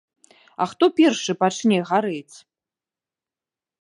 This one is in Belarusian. А хто першы пачне гарэць?